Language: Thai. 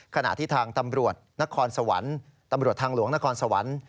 ขณะที่ทางตำรวจนครสวรรค์ตำรวจทางหลวงนครสวรรค์